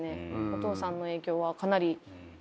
お父さんの影響はかなりあります。